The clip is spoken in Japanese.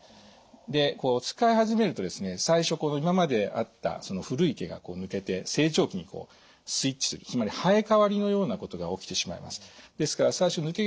で使い始めるとですね最初今まであった古い毛が抜けて成長期にスイッチするつまり生え替わりのようなことが起きてしまいます。